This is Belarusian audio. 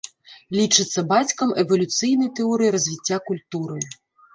Лічыцца бацькам эвалюцыйнай тэорыі развіцця культуры.